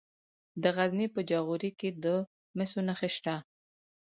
د غزني په جاغوري کې د مسو نښې شته.